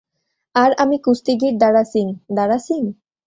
আর আমি কুস্তিগীর দারা সিং, - দারা সিং?